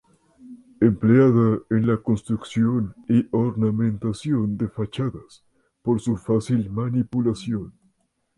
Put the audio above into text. Empleada en la construcción y ornamentación de fachadas por su fácil manipulación.